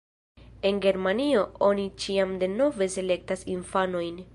En Germanio oni ĉiam denove selektas infanojn.